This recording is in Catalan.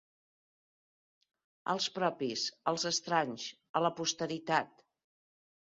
Als propis, als estranys, a la posteritat.